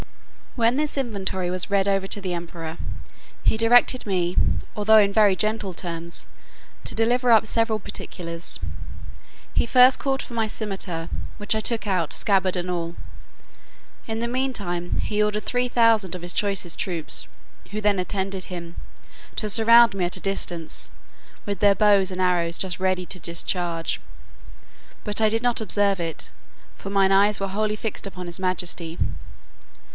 When this inventory was read over to the emperor, he directed me, although in very gentle terms, to deliver up the several particulars. He first called for my scimitar, which I took out, scabbard and all. In the mean time he ordered three thousand of his choicest troops (who then attended him) to surround me at a distance, with their bows and arrows just ready to discharge; but I did not observe it, for my eyes were wholly fixed upon his majesty.